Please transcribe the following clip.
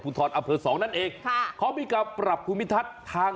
ทรอเภอสองนั่นเองค่ะเขามีการปรับภูมิทัศน์ทาง